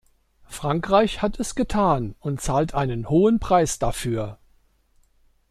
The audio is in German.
Frankreich hat es getan und zahlt einen hohen Preis dafür.